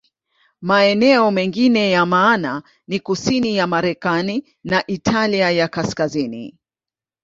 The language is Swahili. Maeneo mengine ya maana ni kusini ya Marekani na Italia ya Kaskazini.